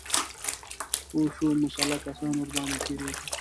چې پوه شو مسلح کسان ورباندې تیریږي